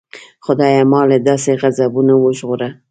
خدایه ما له داسې غضبونو وژغوره.